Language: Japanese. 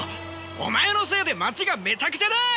お前のせいで街がめちゃくちゃだ！